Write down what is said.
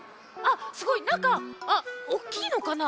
すごいなんかおおきいのかな。